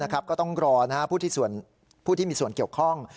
ก็ต้องรอผู้ที่มีส่วนเกี่ยวข้อง